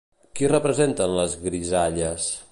Qui representen les grisalles?